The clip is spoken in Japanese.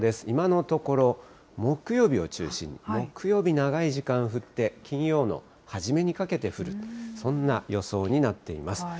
今のところ、木曜日を中心に、木曜日、長い時間降って、金曜の初めにかけて降る、そんな予想になっています。